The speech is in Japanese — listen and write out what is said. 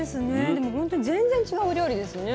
でも本当に全然違うお料理ですね。ね。